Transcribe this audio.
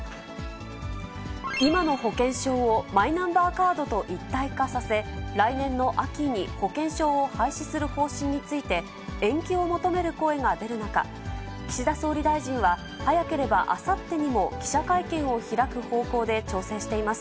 今の保険証をマイナンバーカードと一体化させ、来年の秋に保険証を廃止する方針について、延期を求める声が出る中、岸田総理大臣は、早ければあさってにも記者会見を開く方向で調整しています。